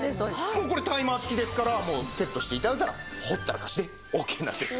もうこれタイマー付きですからもうセットして頂いたらほったらかしでオーケーなんです。